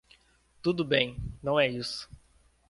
Tudo bem, não é isso.